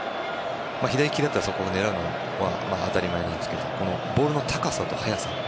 左利きだったら、そこを狙うのが当たり前なんですけどもボールの高さと速さ